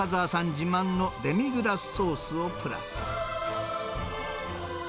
自慢のデミグラスソースをプラス。